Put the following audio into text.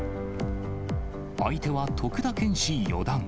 相手は徳田拳士四段。